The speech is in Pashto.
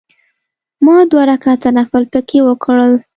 ما دوه رکعته نفل په کې وکړل.